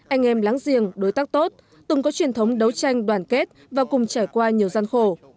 anh em láng giềng đối tác tốt từng có truyền thống đấu tranh đoàn kết và cùng trải qua nhiều gian khổ